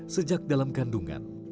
sejak dalam kandungan